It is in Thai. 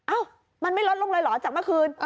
อ้าวมันไม่ลดลงเลยเหรอจากเมื่อคืน